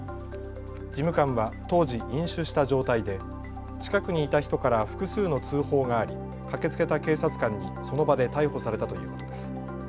事務官は当時、飲酒した状態で近くにいた人から複数の通報があり駆けつけた警察官にその場で逮捕されたということです。